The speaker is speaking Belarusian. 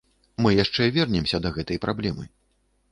Мы яшчэ вернемся да гэтай праблемы.